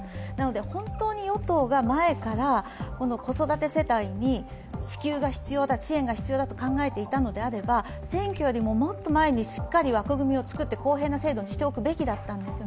本当に与党が前から子育て世帯に支給が必要だ、支援が必要だと考えていたのであれば、選挙よりもっと前にしっかり枠組みを作って公平な制度にしておくべきだったんです。